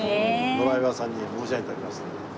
ドライバーさんには申し上げてありますので。